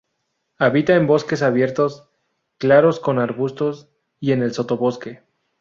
Habita en bosques abiertos, claros con arbustos y en el sotobosque.